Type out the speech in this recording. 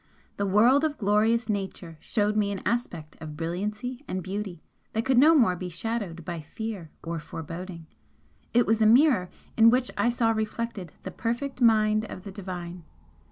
The world of glorious Nature showed me an aspect of brilliancy and beauty that could no more be shadowed by fear or foreboding it was a mirror in which I saw reflected the perfect Mind of the Divine.